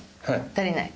足りない？